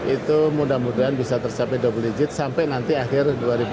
itu mudah mudahan bisa tercapai double digit sampai nanti akhir dua ribu delapan belas